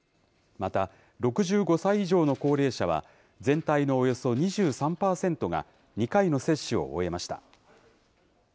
また、６５歳以上の高齢者は全体のおよそ２３％が２回の接種を終えました。